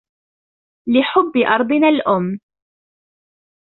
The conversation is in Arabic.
لحب أرضنا الأم،